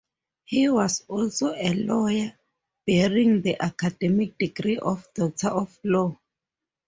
He was also a lawyer, bearing the academic degree of Doctor of Law.